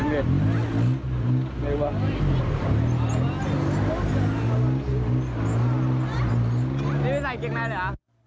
นี่ไม่ใส่เก๊งแมนเหรอ